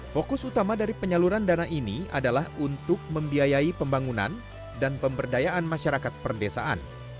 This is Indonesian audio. fokus utama dari penyaluran dana ini adalah untuk membiayai pembangunan dan pemberdayaan masyarakat perdesaan